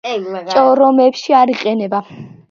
ჭორომებში არ იყინება.